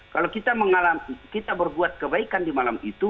kalau kita berbuat kebaikan di malam itu